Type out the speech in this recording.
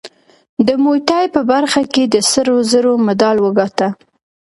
د موی تای په برخه کې د سرو زرو مډال وګاټه